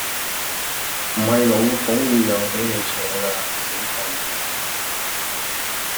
唔係老奉要讓坐比你㗎